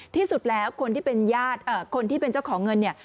ที่สุดแล้วคนที่เป็นเจ้าของเงินเนี่ย